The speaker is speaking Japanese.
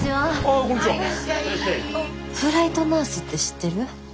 フライトナースって知ってる？